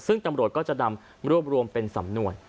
ซึ่งจำบรวจจะดำรวมเป็นสำนวน